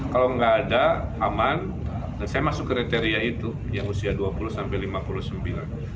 kalau nggak ada aman dan saya masuk kriteria itu yang usia dua puluh sampai lima puluh sembilan